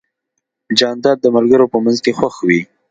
جانداد د ملګرو په منځ کې خوښ وي.